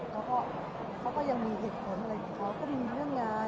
เขาก็เขาก็ยังมีเหตุผลอะไรของเขาก็มีเรื่องงาน